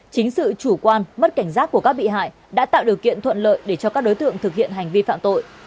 chính sự chủ quan mất cảnh giác của các bị hại đã tạo điều kiện thuận lợi để cho các đối tượng thực hiện hành vi phạm tội